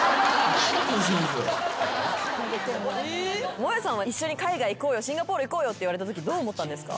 萌さんは一緒に海外行こうよシンガポール行こうよって言われたときどう思ったんですか？